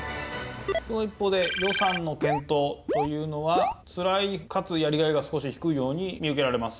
その一方で予算の検討というのはつらいかつやりがいが少し低いように見受けられます。